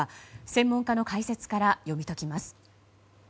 専門家の解説から読み解きます。